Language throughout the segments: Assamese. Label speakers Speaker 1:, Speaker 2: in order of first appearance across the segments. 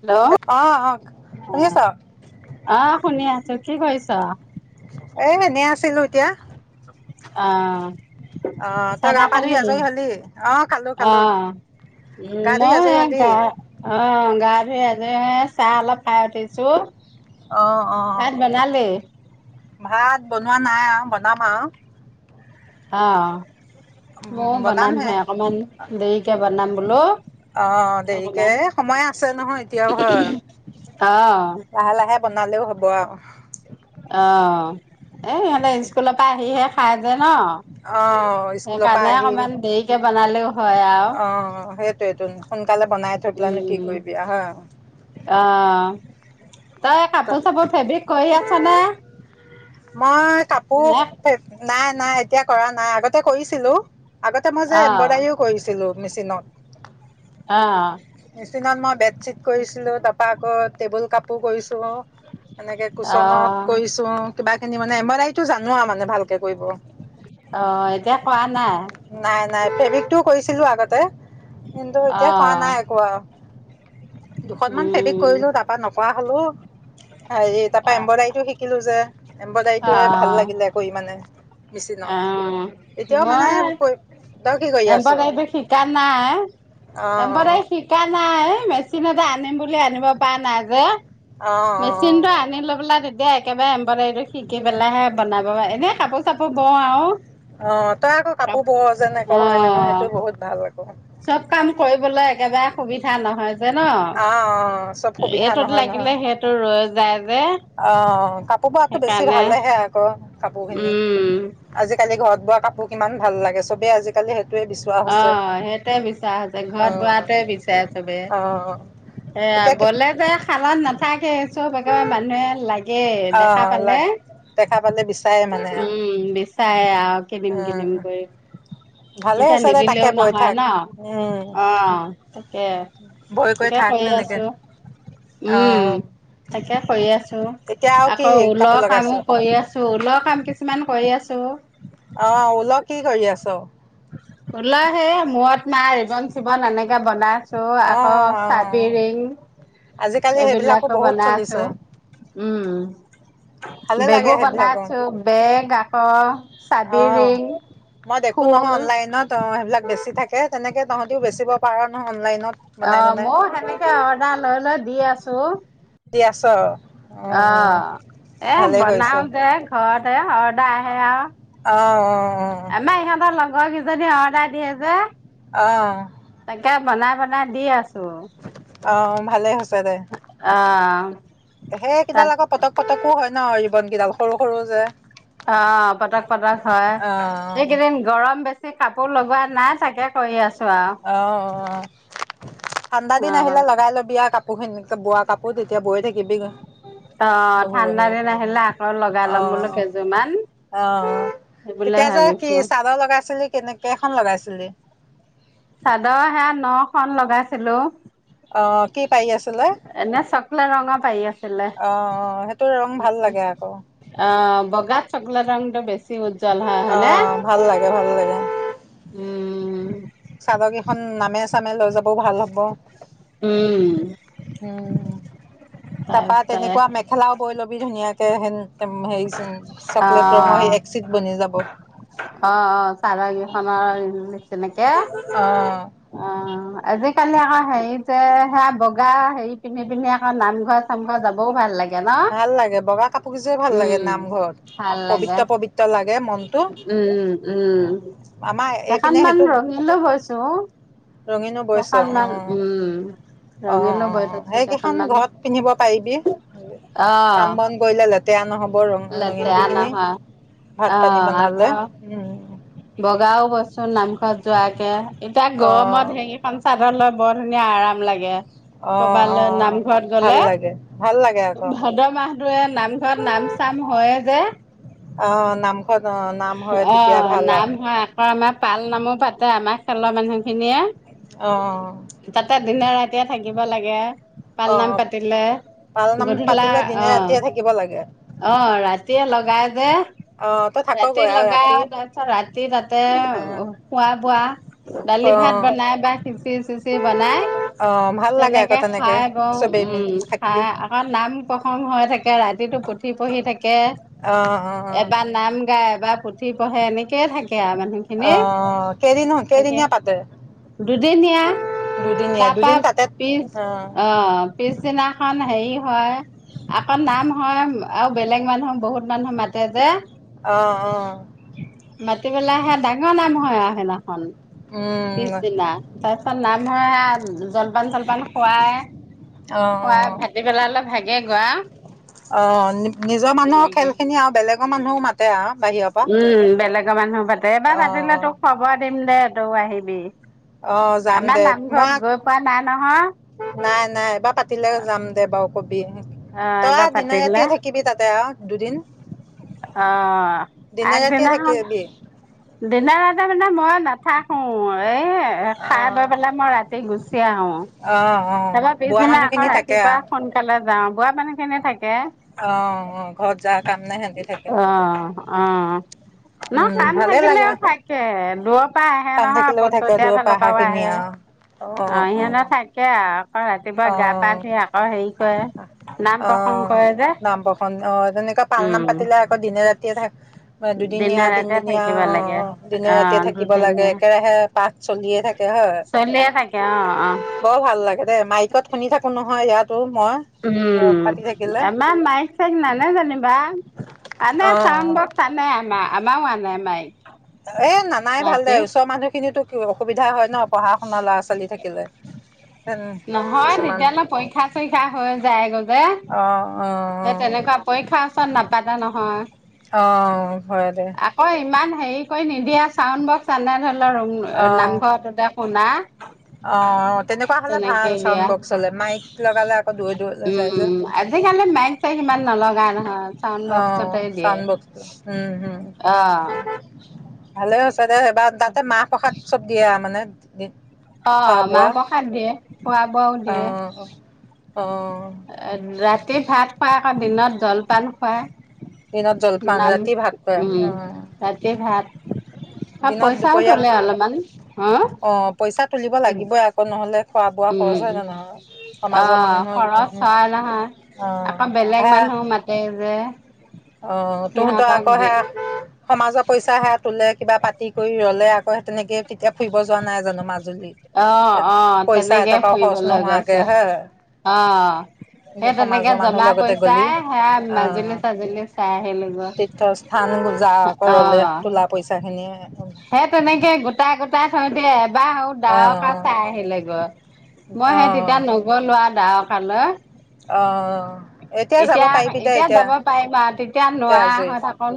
Speaker 1: হেল্ল'
Speaker 2: অ অ শুনিছ
Speaker 1: অহ শুনিয়া। চো কি কৈছ।
Speaker 2: আহিলোঁ এতিয়া।
Speaker 1: অ
Speaker 2: অ তই
Speaker 1: চাহ
Speaker 2: গা
Speaker 1: তাৰ
Speaker 2: পা ধুই
Speaker 1: খালি
Speaker 2: আজৰি হলি অ খালো
Speaker 1: অ
Speaker 2: খালো
Speaker 1: উ
Speaker 2: গা ধুই
Speaker 1: মই
Speaker 2: আজৰি
Speaker 1: অ।
Speaker 2: হলি
Speaker 1: গা ধুই আজৰি হৈ চাহ অলপ খাই উঠিছো।
Speaker 2: অ অ
Speaker 1: ভাত বনালে
Speaker 2: ভাত বনোৱা নাই আ বনাম আওঁ।
Speaker 1: অ
Speaker 2: উম
Speaker 1: মই বনাম
Speaker 2: বনামহে
Speaker 1: হে অকমান দেৰিকে বনাম হ্লো
Speaker 2: অ দেৰিকে সময় আছে নহয় এতিয়া, হয়
Speaker 1: অ
Speaker 2: লাহে লাহে। বনালেও হ'ব আৰু
Speaker 1: আহ এ সিহঁতে স্কুলৰ পৰা আহিহে। খাইজে ন
Speaker 2: অ স্কুলৰ
Speaker 1: সেইকাৰণে
Speaker 2: পৰা আহি,
Speaker 1: অকমান দেৰিকে বনালেও হয় আৰু
Speaker 2: অ সেইটোৱেইটো সোনকালে বনাই থৈপেলাইনো কি
Speaker 1: উম
Speaker 2: কৰিবি হা।
Speaker 1: অ তই কাপোৰ চাপোৰ ফেব্ৰিক কৰি আছ নে
Speaker 2: মই কাপোৰ
Speaker 1: নে
Speaker 2: ফে নাই নাই এতিয়া কৰা নাই আগতে কৰিছিলো আগতে মই যে
Speaker 1: অ',
Speaker 2: এম্বদাৰীও কৰিছিলোঁ মেচিনত
Speaker 1: অ
Speaker 2: মেচিনত মই বেডশ্বিট কৰিছিলো তাপা আকৌ টেবুল কাপোৰ কৰিছো এনেকে কুচনত
Speaker 1: অ',
Speaker 2: কৰিছো কিবা খিনি মানে এম্বদাইত জানোৱা মানে ভাল কে কৰিব
Speaker 1: অ', এতিয়া কৰা
Speaker 2: নাই নাই প্ৰফেৱিকতটো। কৈছিলো আগতে। কিন্তু এতিয়া কৰা
Speaker 1: অ',
Speaker 2: নাই এনেকুৱা দুখনমান টেপিক
Speaker 1: উম,
Speaker 2: কৰিলো তাৰপা নকৰা হলো। হেৰি তাৰ পৰা
Speaker 1: অ',
Speaker 2: এম্প্ৰদাৰীটো শিকিলো যে এম্ব্ৰডায়ৰী ভাল লাগিলে কৰি মানে। মেচিনত
Speaker 1: অ
Speaker 2: এতিয়াও মানে
Speaker 1: মই
Speaker 2: কৈ- তই কি কৰি আছ
Speaker 1: এম্ব্ৰডায়ৰী এইটো শিকা নাই
Speaker 2: অ',
Speaker 1: এম্ব্ৰডায়ৰী শিকা নাই মেচি। সিনবা আনিম বুলি আনিব পৰা নাই যে।
Speaker 2: অ',
Speaker 1: মেচিন
Speaker 2: অ',
Speaker 1: টো আনি লৈ পেলাই তেতিয়া। এয়া একেবাৰে এম্প্ৰদাৰি শিকি পেলাই হে বনাব এনে কাপো চাপু হ'ব আৰু।
Speaker 2: অ তই আকৌ
Speaker 1: কাপ
Speaker 2: কাপোৰ বৱ যেনেক হয় নে নহয়
Speaker 1: অ',
Speaker 2: সেইটো বহুত ভাল ।
Speaker 1: চব কাম কৰিবলৈ একেবাৰে সুবিধা নহয়। যে ন
Speaker 2: আহ অ চব সুবিধা
Speaker 1: এইটোত
Speaker 2: নহয়
Speaker 1: লাগিলে
Speaker 2: নহয়
Speaker 1: সেইটো ৰৈ যায় যে
Speaker 2: আহ কাপোৰ বোৱাটো বেছি
Speaker 1: সেইকাৰণে
Speaker 2: ভালেহে আকৌ কাপোৰ খিনি
Speaker 1: উম
Speaker 2: আজিকালি ঘৰত বোৱা কাপোৰ কিমান ভাল লাগে ।চবেই আজিকালি সেইটোৱে বিচৰা
Speaker 1: অ
Speaker 2: হৈছে।
Speaker 1: সেইটোৱে বিচৰা হৈছে। ঘৰত
Speaker 2: অ',
Speaker 1: বোৱাটোৱে বিচাৰে চবে
Speaker 2: অ',
Speaker 1: এয়া
Speaker 2: এতিয়া কি
Speaker 1: বলে যে শালত নাথাকে। চব একে মানুহে লাগে দেখা
Speaker 2: অ', লা
Speaker 1: পালে।
Speaker 2: দেখা পালে বিচাৰে মানে আৰু
Speaker 1: উম বিচাৰে আৰু। কিনিম কিনিম
Speaker 2: অ',
Speaker 1: কৰি
Speaker 2: ভালে
Speaker 1: এতিয়া
Speaker 2: হৈছে দে তাকে
Speaker 1: নিদিলেও
Speaker 2: বৈ
Speaker 1: নহয়
Speaker 2: থাক।
Speaker 1: ন
Speaker 2: উম,
Speaker 1: অ তাকে
Speaker 2: বৈ
Speaker 1: তাকে
Speaker 2: থাক
Speaker 1: কৰি
Speaker 2: সেনেকে
Speaker 1: আছো উম
Speaker 2: অ',
Speaker 1: তাকে কৰি আছোঁ
Speaker 2: এতিয়া আৰু কি
Speaker 1: আকৌ
Speaker 2: কাপোৰ
Speaker 1: ঊলৰ কামো
Speaker 2: লগাইছ?
Speaker 1: কৰি আছো। ঊলৰ কাম কিছুমান কৰি আছো।
Speaker 2: আহ ওল কি কৰি আছ।
Speaker 1: ঊল হে মূৰত মাৰা ৰিবন চিৱন এনেকে বনাই আছো।
Speaker 2: অ',
Speaker 1: আকৌ
Speaker 2: অ',
Speaker 1: চাবিৰিং
Speaker 2: আজিকালি সেইবিলাকো
Speaker 1: এইবিলাকো
Speaker 2: বহুত
Speaker 1: বনাই আছো।
Speaker 2: চলিছে, ভালে
Speaker 1: উম
Speaker 2: লাগে
Speaker 1: বেগো
Speaker 2: সেইবিলাকো।
Speaker 1: বনাইছো বেগ আক চাবি
Speaker 2: অ',
Speaker 1: ৰিং
Speaker 2: মই দেখো
Speaker 1: ফুল
Speaker 2: নহয় অনলাইনত অ সেইবিলাক বেচি থাকে। তাকে তেনেকে তহঁতিও বেচিব পাৰ নহয় অনলাইনত
Speaker 1: অ
Speaker 2: বনাই বনাই
Speaker 1: অঁ [unintelligible]
Speaker 2: দি আছ অ', অ',
Speaker 1: অঁ এ
Speaker 2: ভালেই কৰিছ।
Speaker 1: বনাও যে ঘৰতে অৰ্দাৰ আহে আৰু
Speaker 2: অ', অ',
Speaker 1: আমাৰ ইহঁতৰ লগ কিজনী অৰ্ডাৰ দিয়ে যে
Speaker 2: অঁ
Speaker 1: তাকে বনাই বনাই দি আছো।
Speaker 2: আহ ভালেই হৈছে দে
Speaker 1: অ
Speaker 2: সেই কেইডাল
Speaker 1: তাত
Speaker 2: আকৌ পটক পটকো হয়। ন ৰিবনকেইডাল সৰু সৰু যে
Speaker 1: অঁ পতক পটক হয়
Speaker 2: অ',
Speaker 1: এইকেইদিন গৰম বেছি কাপোৰ লগোৱা নাই তাকে কৰি আছো আৰু
Speaker 2: অঁ অঁ ঠাণ্ডা
Speaker 1: অ
Speaker 2: দিন আহিলে লগাই লবিয়া কাপোৰ প বুৱা কাপৰ [unintelligible] এতিয়া বৈ থাকিবি
Speaker 1: অ
Speaker 2: বহি
Speaker 1: ঠাণ্ডা
Speaker 2: বহি
Speaker 1: দিন আহিলে আকৌ লগাই ল'ম বোলো
Speaker 2: অঁ
Speaker 1: কেইযোৰমান
Speaker 2: অঁ
Speaker 1: সেই বুলিয়ে
Speaker 2: তেতিয়া যে কি
Speaker 1: ভাবিছো
Speaker 2: চাদৰ লগাইছিলি কেনেকৈখন লগাইছিলি
Speaker 1: চাদৰ সেয়া ন খন লগাইছিলো
Speaker 2: অঁ কি পাৰি আছিলে
Speaker 1: এনে চকলেট ৰঙৰ পাৰি আছিলে
Speaker 2: অহ অহ সেইটো ৰং ভাল লাগে আকৌ
Speaker 1: বগা চকলেট ৰংটো বেছি উজ্জ্বল হয় হয়নে
Speaker 2: অঁ ভাল লাগে ভাল লাগে
Speaker 1: উম
Speaker 2: চাদ এখন নামে চামে লৈ যাবও ভাল হব
Speaker 1: উম,
Speaker 2: উম তাপা
Speaker 1: তাৰপিছত
Speaker 2: তেনেকুৱা মেখেলাও বৈ লবি ধুনীয়াকে হেন
Speaker 1: অঁ
Speaker 2: একচিট বনি যাব
Speaker 1: অঁ অঁ চাদৰ কেইখনৰ তেনেকে
Speaker 2: অ
Speaker 1: অঁ আজি কালি আকৌ হেৰিতে সেয়া বগা হেৰি পিন্ধি পিন্ধি আকৌ নামঘৰ চামঘৰ যাবও ভাল লাগে ন
Speaker 2: ভাল লাগে বগা কাপোৰ কেইযোৰৰ ভাল ভাল লাগে
Speaker 1: উম
Speaker 2: নামঘৰত
Speaker 1: ভাল লাগে
Speaker 2: পবিত্ৰ পবিত্ৰ লাগে মন
Speaker 1: উম উম
Speaker 2: আমাৰ
Speaker 1: কেইখন
Speaker 2: এইপিনে
Speaker 1: মান ৰঙিলেও হৈছো
Speaker 2: ৰঙীন বৈশ অ
Speaker 1: ৰঙিলো বৈ
Speaker 2: আহ
Speaker 1: থৈছো
Speaker 2: সেইকেইখন
Speaker 1: কেইখনমান
Speaker 2: ঘৰত পিন্ধিব পাৰিবি ।
Speaker 1: অ
Speaker 2: কাম কৰিলে লাগে তাতে আনহ'
Speaker 1: লেতেৰা নহয়
Speaker 2: ভাত
Speaker 1: অ
Speaker 2: পানী বনালে
Speaker 1: আকৌ বগাও বচো নামঘৰত যোৱাকে তাত গৰমত
Speaker 2: অঁ
Speaker 1: হেইখন চাদৰ বৰ ধুনীয়া আৰাম লাগে ।
Speaker 2: অঁ
Speaker 1: কৰবালে
Speaker 2: অঁ
Speaker 1: নামঘৰত
Speaker 2: ভাল
Speaker 1: গলে
Speaker 2: লাগে ভাল লাগে আকৌ
Speaker 1: ভাদ্ৰ মাহটোৱে নামঘৰত নাম চাম হয়ে যে
Speaker 2: অঁ নামঘৰত অঁ নাম
Speaker 1: ।
Speaker 2: হয়
Speaker 1: অ
Speaker 2: তেতিয়া ভাল
Speaker 1: নাম
Speaker 2: আৰু
Speaker 1: হয় আকৌ আমাৰ পাল নামো পাতে আমাৰ খেলৰ মানুহ খিনিয়ে
Speaker 2: অহঁ
Speaker 1: তাতে দিনে ৰাতিয়ে থাকিব লাগে পালনাম
Speaker 2: অঁ
Speaker 1: পাতিলে
Speaker 2: পালনাম
Speaker 1: গধূলা
Speaker 2: পাতিলে দিনে
Speaker 1: অহ
Speaker 2: ৰাতিয়ে থাকিব লাগে
Speaker 1: অহ ৰাতিয়ে লগাই যে
Speaker 2: অঁ তই
Speaker 1: ৰাতি
Speaker 2: থাকগৈ আৰু
Speaker 1: লগাই
Speaker 2: ৰাতি
Speaker 1: তাৰপিছত ৰাতি তাতে
Speaker 2: অঁ
Speaker 1: খুৱ বোৱা দালি ভাত বনাই বা খিচি চিচি বনাই
Speaker 2: অঁ ভাল লাগে আকৌ
Speaker 1: তেনেকে
Speaker 2: তেনেকৈ
Speaker 1: খাই বওঁ
Speaker 2: চবেই
Speaker 1: উম
Speaker 2: মিলি থাকি
Speaker 1: খাই আকৌ নাম প্ৰসংগ হৈ থাকে ৰাতিটো। পঢ়ি থাকে
Speaker 2: অঁ অঁ অঁ
Speaker 1: এবাৰ নাম। এবাৰ পুথি পঢে এনেকয়ে থাকে।
Speaker 2: আহ কেইদিন হ
Speaker 1: মানুহে
Speaker 2: কেইদিনীয়া পাতে
Speaker 1: দুদিনীয়া
Speaker 2: দুদিনীয়া
Speaker 1: তাপা
Speaker 2: দুদিন তাতে
Speaker 1: পিছ অ পিছদিনাখন হেৰি। হয় আকৌ নাম হয় আৰু বেলেগ মানুহ বহুত মানুহ মাতে যে
Speaker 2: আহ আহ
Speaker 1: ক পেলাই সে ডাঙৰ নাম হয় আও সেইনাখন
Speaker 2: উম
Speaker 1: পিছদিনা তাৰপিছত নাম হয় জলপান চলপা কিমান খুৱাই
Speaker 2: অ অ
Speaker 1: খোৱা ই ভাট পেলাই অলপ ভাগি
Speaker 2: অ নিজৰ মানুহৰ
Speaker 1: তেনেকে।
Speaker 2: খেল খিনি আৰু বেলেগ অ মানুহ মা
Speaker 1: উম বেলেগৰ মানুহ পাতে এইবাৰ
Speaker 2: অ
Speaker 1: পাতিলে তোক খবৰ দিম দে আহিবি
Speaker 2: অ যাম
Speaker 1: আমাৰ
Speaker 2: দে মই
Speaker 1: নামঘৰত গৈ পোৱা নাই নহয়
Speaker 2: নাই নাই বা পাতিলে যাম দে বাও
Speaker 1: আহ এইবাৰ পাতিলে
Speaker 2: থাকিবি তাতে আৰু দুদিন
Speaker 1: আহ
Speaker 2: দিনে ৰাতিয়ে
Speaker 1: আগদিনাখন
Speaker 2: থাকিবি
Speaker 1: দিন ৰাতিয়ে মানে মই নাথাক অ এ
Speaker 2: অ
Speaker 1: খাই বৈ পেলাই মই ৰাতি গুচি আহো
Speaker 2: অ অ
Speaker 1: তপৰা
Speaker 2: বুঢ়া
Speaker 1: পিছদিনা আকৌ
Speaker 2: মানুহখিনি থাকে
Speaker 1: ৰাতিপুৱা সোনকালে যাওঁ মান কেনে থাকে
Speaker 2: অহ অ ঘৰত যা কাম নাই হেটি থাকে
Speaker 1: অ অ ন
Speaker 2: উম
Speaker 1: কাম
Speaker 2: ভালে লাগে
Speaker 1: থাকিলেও থাকে দ তাল পৰা আহে
Speaker 2: কাম
Speaker 1: নহয়
Speaker 2: থাকিলেও থাকে
Speaker 1: পচুতিয়া
Speaker 2: দূৰৰ পৰা
Speaker 1: ফালৰ পৰাও
Speaker 2: অহাখিনি
Speaker 1: আহে
Speaker 2: আৰু
Speaker 1: অ সিহনে থাকে আৰু অ ৰাতিপুৱা গা পা ধ সি আকৌ হেৰি ক নাম প্ৰসংগ কৰে যে
Speaker 2: তেনেকা পালনাম
Speaker 1: উম
Speaker 2: পাতিলে আকৌ দিনে ৰাতিয়ে থাক
Speaker 1: দিনে
Speaker 2: দুদিনীয়া
Speaker 1: ৰাতে
Speaker 2: তিনদিনীয়া
Speaker 1: থাকিব
Speaker 2: অ
Speaker 1: লাগে
Speaker 2: দিনে
Speaker 1: অ
Speaker 2: ৰাতিয়ে থাকিব লাগে
Speaker 1: দুদিনীয়া
Speaker 2: একেৰাহে। পাঠ চলিয়ে থাকে হয়
Speaker 1: চলিয়ে থাকে অ অ
Speaker 2: বৰ ভাল লাগে দে মাইকত শুনি থাকো নহয় ইয়াত। ত মই
Speaker 1: উম
Speaker 2: পাতি থাকিলে
Speaker 1: এমান নাই চেন নানে জানিম। বা আনে চাউণ্
Speaker 2: অ',
Speaker 1: বকস আনে আম আমাও মানে মাইক
Speaker 2: এ নানাই ভাল দে
Speaker 1: ৰাতি
Speaker 2: ওচৰৰ মানুহখিনিতো অসুবিধা হয় ন পঢ়া শুনা ল'ৰা ছোৱালী থাকিলে
Speaker 1: নহয়
Speaker 2: কিছুমান
Speaker 1: তেতিয়াহ'লে পৰীক্ষা চৰীক্ষা হৈ যায়গৈ যে
Speaker 2: অ অ
Speaker 1: নাপাতা নহয়
Speaker 2: অ হয় দে
Speaker 1: আকৌ ইমান হেৰি কৰি নিদিয়া চাউড বক্স আ ধ নাম
Speaker 2: অ'।
Speaker 1: শুনা
Speaker 2: অ তেনেকুৱা হলে ভাল
Speaker 1: তেনেকে
Speaker 2: চাউন
Speaker 1: দিয়া
Speaker 2: বক্স হলে মাইক লগালে আকৌ দৈ দৈ যায় যে।
Speaker 1: গান হা
Speaker 2: অ চা উন বক্ম উম উম
Speaker 1: অ
Speaker 2: ভালে আ ততে সেইবাৰ তাতে মাহ প্ৰসাদ চব দিয়ে আৰু মানে দিন
Speaker 1: অ মাহ প্ৰসাদ দিয়ে খোৱা ব দিয়ে
Speaker 2: অ', অ',
Speaker 1: ৰাতি এই ভাত খাই আকৌ দিনত জলপান খুৱাই।
Speaker 2: দিনত জলপান
Speaker 1: নাম
Speaker 2: ৰাতি ভাত খুৱাই আহ।
Speaker 1: হ পইচাও তলে অলপমান হা
Speaker 2: অ', পইচা তুলিব
Speaker 1: উ
Speaker 2: লাগিবই আকৌ নহ'লে খোৱা বোৱা
Speaker 1: উম
Speaker 2: খৰচ হয় নে নহয়।
Speaker 1: অ
Speaker 2: সমাজৰ মানুহে
Speaker 1: খৰচ
Speaker 2: গোটেইখিনি
Speaker 1: চোৱা নহয় আকৌ
Speaker 2: অ',
Speaker 1: বেলেগ মানুহ মাতে যে।
Speaker 2: অ তহঁতৰ
Speaker 1: সিহঁতক
Speaker 2: আকৌ হে
Speaker 1: দে
Speaker 2: সমাজৰ পইচা হে তোলে কিবা পাতি কৰি ৰলে আকৌ সে তেনেকে। তেতিয়া ফুৰিব যোৱা নাই জানো মাজুলীত
Speaker 1: অ'
Speaker 2: এ
Speaker 1: অ'
Speaker 2: পইচা
Speaker 1: তেনেকে
Speaker 2: এটকাও খৰচ
Speaker 1: ফুৰিবলৈ
Speaker 2: নোহোৱাকে
Speaker 1: গৈছে
Speaker 2: হে
Speaker 1: অ' সেই তেনেকে
Speaker 2: সমাজৰ মানুহৰ
Speaker 1: জমা
Speaker 2: লগতে গলি
Speaker 1: পইচাই সেয়া মাজুলী
Speaker 2: আহ।
Speaker 1: চাজুলী চাই আহিলোগৈ
Speaker 2: তীৰ্থস্থান পূজা কৰলে
Speaker 1: অ'
Speaker 2: তোলা পইচা খিনিয়ে
Speaker 1: সেই তেনেকে গোটাই গোটাই থৈ দে বাহ হ দাৱ ক চাই আহিলে গৰ মই সেই
Speaker 2: অঁ
Speaker 1: তেতিয়া নগ লোৱা দা
Speaker 2: অঁ
Speaker 1: [unintelligible]
Speaker 2: যাব
Speaker 1: এতিয়া
Speaker 2: পাৰিবি
Speaker 1: -
Speaker 2: দে
Speaker 1: এতিয়া যাব পাৰিম আৰু তেতিয়া
Speaker 2: এতিয়া
Speaker 1: নোৱাৰা
Speaker 2: আজৰি
Speaker 1: হৈ থাকো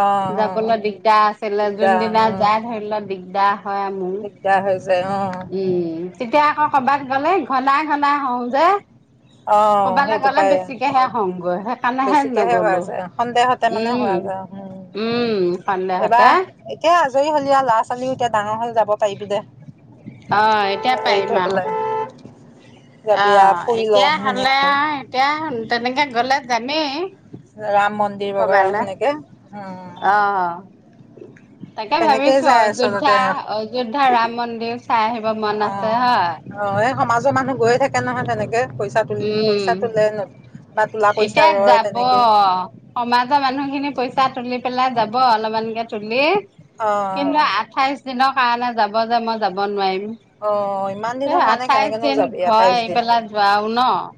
Speaker 2: অঁ অঁ
Speaker 1: যাবলৈ দিগদাৰ আছিলে
Speaker 2: দিগদাৰ
Speaker 1: যোনদিনা
Speaker 2: অঁ
Speaker 1: যাই ধৰি ল দিগদাৰ হয় মোৰ
Speaker 2: দিগদাৰ হৈ যায় অঁ
Speaker 1: উম। তেতিয়া আকৌ কৰবাত গ'লে ঘনাই ঘনাই হওঁ যে
Speaker 2: অঁ
Speaker 1: ক'বালৈ
Speaker 2: সেইটো
Speaker 1: গ'লে
Speaker 2: পায়
Speaker 1: বেছিকেহে হওঁগৈ সেইকাৰণেহে
Speaker 2: বেছিকেহে হোৱা
Speaker 1: নগলো
Speaker 2: যায় সন্দেহতে মানে
Speaker 1: উম
Speaker 2: হোৱা যায় উম
Speaker 1: উম
Speaker 2: এইবাৰ
Speaker 1: সন্দেহতে
Speaker 2: এতিয়া আজৰি হলীয়া লাষ্ট। কালিও এতিয়া ডাঙৰ হৈ যাব। পাৰিবি দে
Speaker 1: অঁ এতিয়া পাইম আৰু।
Speaker 2: [inaudible] যাবিয়া ফুৰি ল।
Speaker 1: [unintelligible] অ
Speaker 2: ধুনীয়া
Speaker 1: এতিয়া তেনেকে গলে জানেই
Speaker 2: ৰাম মন্দিৰ বগৰা সেনেকে, হুম।
Speaker 1: অ তাকে ভাবিছো অযোধ্যা - অযোধ্যা ৰাম মন্দিৰ চাই আহিব
Speaker 2: অ
Speaker 1: মন আছে হয়।
Speaker 2: কে নহয় তেনেকে। পইচা তুলি পইচা
Speaker 1: উম
Speaker 2: তোলে বা তোলা পইচা
Speaker 1: এতিয়া
Speaker 2: ৰয়
Speaker 1: যাব
Speaker 2: তেনেকে
Speaker 1: সমাজৰ মানুহ খিনি পইচা তুলি পেলাই যাব অলপমানকে তুলি।
Speaker 2: অ
Speaker 1: কিন্তু আঠাইচ দিনক কাৰনে যাব যে মই যাব নোৱাৰিম।
Speaker 2: অ ইমান
Speaker 1: এ
Speaker 2: দিনৰ কাৰণে
Speaker 1: আঠাইচ
Speaker 2: কেনেকেনো
Speaker 1: দিন
Speaker 2: যাবি
Speaker 1: ঘ
Speaker 2: আঠাইছ
Speaker 1: এয়ী
Speaker 2: দিন
Speaker 1: পেলা যোৱা অ'।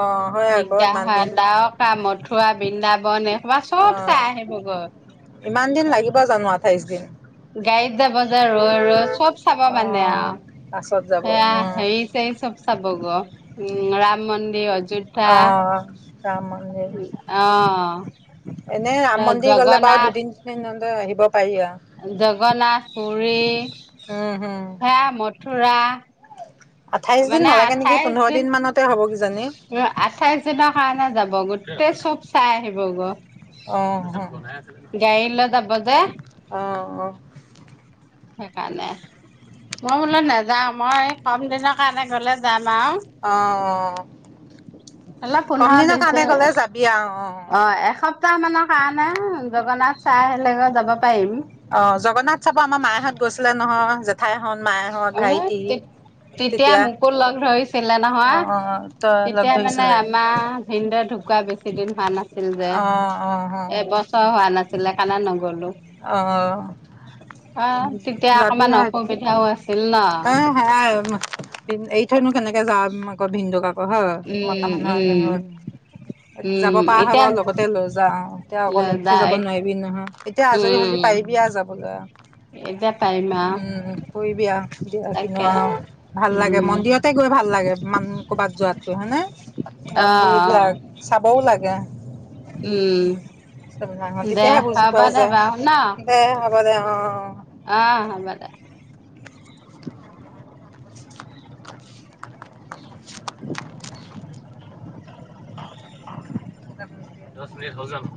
Speaker 2: অ হয় আকৌ
Speaker 1: দিগদাৰ
Speaker 2: ইমান
Speaker 1: হয়
Speaker 2: দিন
Speaker 1: দ্বাৰকা মথুৱা বৃন্দাবনে তোমাৰ চব
Speaker 2: অ
Speaker 1: চাই আহিব গৈ
Speaker 2: ইমান দিন লাগিব জানো আঠাইশ দিন
Speaker 1: । গাড়ীত যাব যে ৰৈ ৰৈ চব চাব
Speaker 2: অ
Speaker 1: মানে আৰু
Speaker 2: পাছত যাব উম
Speaker 1: সেয়া হেৰি চাবগৈ উম ৰাম মন্দিৰ অযো
Speaker 2: আহ
Speaker 1: [unintelligible] অ'। [inaudible]
Speaker 2: এনেই ৰাম মন্দিৰ গলে বাৰু
Speaker 1: জগন্নাথ
Speaker 2: দুদিন তিনদিন [unintelligible] আহিব পাৰি আৰু
Speaker 1: জগন্নাথ, পুৰী
Speaker 2: উম হম
Speaker 1: হেয়া মথুৰা
Speaker 2: আঠাইশ দিন
Speaker 1: মানে
Speaker 2: নালাগে নেকি
Speaker 1: আঠাইচ
Speaker 2: পোন্ধৰ
Speaker 1: দিন
Speaker 2: মানতে হ'ব কিজানি
Speaker 1: উ - আঠাইচ দিনৰ কাৰণে যাব গোটেই চব চাই হিব গৈ।
Speaker 2: অহ
Speaker 1: দে
Speaker 2: অহঁ অ
Speaker 1: সেইকাৰণে মই বোলো নাযাও মই কম দিনৰ কাৰণে গলে যাম আৰু
Speaker 2: অহ অ অ
Speaker 1: অলপ
Speaker 2: কম
Speaker 1: পোন্ধৰ
Speaker 2: দিনৰ
Speaker 1: বিশ
Speaker 2: কাৰণে
Speaker 1: দিন
Speaker 2: গ'লে যাবি আৰু
Speaker 1: অ এসপ্তাহ মানৰ কাৰণে জগন্নাথ চাই আহিলে যাব পাৰিম
Speaker 2: অ জগন্নাথ চাব আমাৰ মাহাহঁত গৈছিলে নহয় জেঠাইহঁত মায়েহঁত
Speaker 1: উ
Speaker 2: ভাইটি
Speaker 1: তেতিয়া মোকো লগ ধৰিছিলে
Speaker 2: অ
Speaker 1: নহয়
Speaker 2: অ তই লগ
Speaker 1: তেতিয়া মানে
Speaker 2: ধৰিছিলে
Speaker 1: আমাৰ ভিনদে ধু ধুকোৱা বেছি দিন হোৱা নাছিল। ছিল যে
Speaker 2: অ অ
Speaker 1: এবছৰ হোৱা নাছিল। চলেখালা নগ'লোঁ।
Speaker 2: অহ ‌অহ যাবি
Speaker 1: গচ
Speaker 2: এ সেয়াই এইৰি থৈনো কেনেকে যাম আকৌ ভিনন্দুক আকৌ হয় মতা
Speaker 1: উম উম
Speaker 2: মানুহৰত যাব
Speaker 1: উম
Speaker 2: পৰা হয়
Speaker 1: এতিয়া
Speaker 2: বাৰু লগতে লৈ যা এতিয়া অকল এইৰি থৈ যাব
Speaker 1: যাই
Speaker 2: নোৱাৰিবি নহয়। এতিয়া আজৰি হলেি
Speaker 1: উম
Speaker 2: পাৰিবিা যাবলৈ
Speaker 1: এতিয়া পাৰিম আও
Speaker 2: উম পৰিবিআউ উম কিনো
Speaker 1: তাকে
Speaker 2: ভাল লাগে
Speaker 1: উম
Speaker 2: মন্দিৰতে গৈ ভাল লাগে মানুহ কবাত যোৱাতকৈ হয়নে
Speaker 1: অ অ
Speaker 2: মন্দিৰ বিলাক চাবও লাগে
Speaker 1: উম
Speaker 2: খন
Speaker 1: দে
Speaker 2: তেতিয়াহে বুজি
Speaker 1: হ'ব
Speaker 2: পোৱা
Speaker 1: দে
Speaker 2: যায় তেন্ত কলে‌ অহ অহ।
Speaker 1: অহ হব দে ।
Speaker 2: তে [unintelligible]
Speaker 1: তে উ [unintelligible]
Speaker 2: দহ মিনিট হলজানো